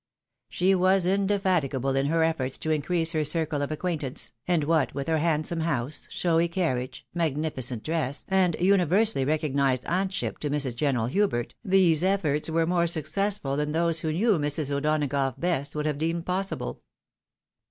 She was inde fatigable in her efforts to increase her circle of acquaintance, ajid what with her handsome house, showy carriage, magnifi cent dress, and universally recognised auntship to Mrs. General Hubert, these efforts were more successful than those who knew Mrs. O'Donagough best would have deemed possible.